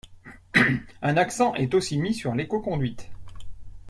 Un accent est aussi mis sur l'écoconduite.